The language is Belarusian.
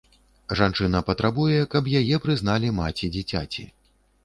Жанчына патрабуе, каб яе прызналі маці дзіцяці.